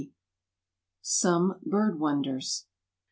SOME BIRD WONDERS.